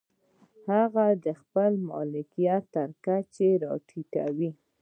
هغه د خپل ملکیت تر کچې را ټیټوو.